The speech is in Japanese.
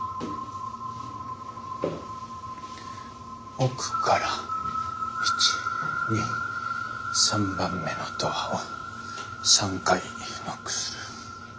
奥から１２３番目のドアを３回ノックする。